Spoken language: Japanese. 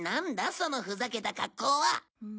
そのふざけた格好は。